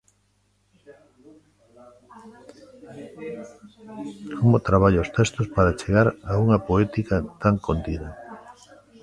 Como traballa os textos para chegar a unha poética tan contida?